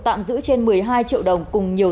tạm giữ trên một mươi hai triệu đồng cùng nhiều